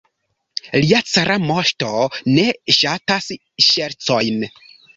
Lia cara moŝto ne ŝatas ŝercojn.